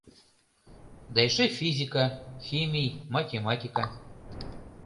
Да эше физика, химий, математика...